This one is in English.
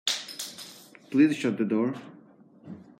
Please shut the door.